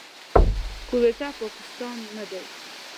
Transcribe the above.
کويټه، پاکستان نه دی.